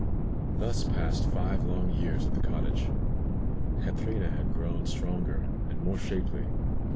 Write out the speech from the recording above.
Thus passed five long years at the cottage. Catrina had grown stronger, and more shapely.